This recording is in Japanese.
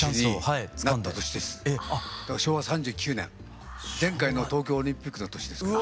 だから昭和３９年前回の東京オリンピックの年ですから。